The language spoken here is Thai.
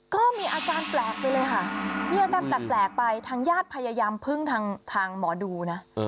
ก็มีอาการแปลกไปเลยค่ะมีอาการแปลกไปทางญาติพยายามพึ่งทางหมอดูนะ